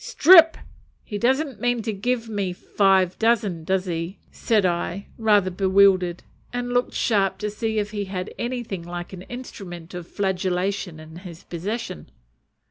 "Strip! he doesn't mean to give me five dozen, does he?" said I, rather bewildered, and looking sharp to see if he had anything like an instrument of flagellation in his possession.